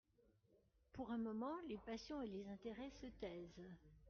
Pour un moment, les passions et les intérêts se taisent.